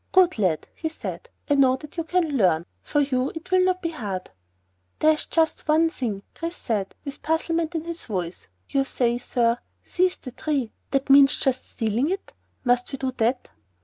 "Good lad!" he said. "I know that you can learn. For you it will not be hard." "There's just one thing," Chris said, with puzzlement in his voice. "You say, sir, 'Seize the Tree.' That means just stealing it? Must we do that?"